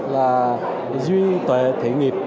là duy tuệ thị nghiệp